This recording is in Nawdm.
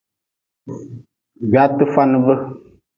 Gwaatefanabe.